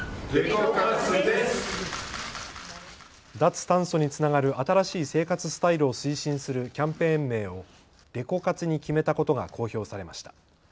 脱炭素につながる新しい生活スタイルを推進するキャンペーン名をデコ活に決めたことが公表されました。